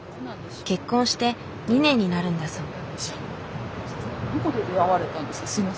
結婚して２年になるんだそう。